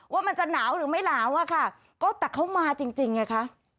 ว่ามันจะหนาวหรือไม่หนาวอะค่ะก็แต่เขามาจริงจริงไงคะ